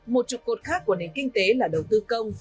một trục cột khác của nền kinh tế là đầu tư công